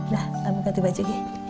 dah ambilkan baju